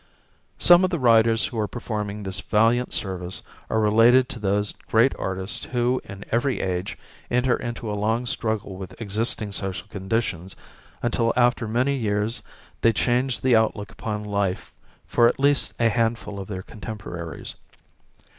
Some of the writers who are performing this valiant service are related to those great artists who in every age enter into a long struggle with existing social conditions, until after many years they change the outlook upon life for at least a handful of their contemporaries.